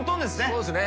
そうですね。